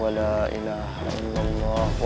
wa'alaikaimu ma'il modeling